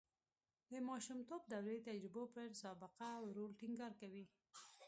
د ماشومتوب دورې تجربو پر سابقه او رول ټینګار کوي